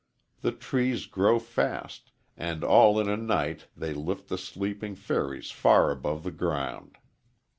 The trees grow fast, and all in a night they lift the sleeping fairies far above the ground.